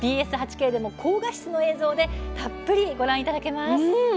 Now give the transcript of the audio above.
ＢＳ８Ｋでも高画質の映像でたっぷりとご覧いただけます。